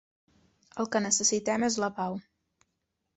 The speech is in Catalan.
El que necessitem és la pau.